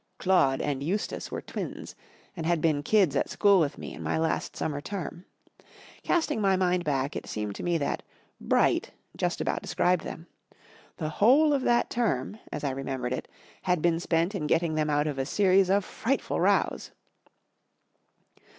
Claude and Eustace were twins, and had been kids at school with me in my last summer term. Casting my mind back, it seemed to me that " bright " just about described them. The whole of that term, as I remembered it, had been spent in getting them out of a series of frightful rows.